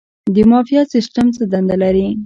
د معافیت سیستم څه دنده لري؟